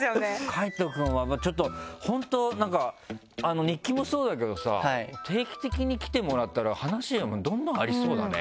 海人くんはちょっと本当日記もそうだけどさ定期的に来てもらったら話がどんどんありそうだね。